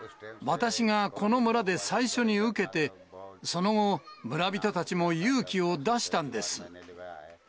私がこの村で最初に受けて、その後、村人たちも勇気を出したんです。